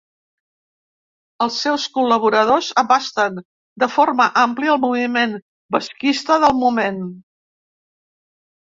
Els seus col·laboradors abasten de forma àmplia el moviment basquista del moment.